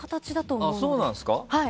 そうなんですか？